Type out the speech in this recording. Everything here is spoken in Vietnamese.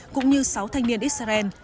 cũng như sáu thanh niên israel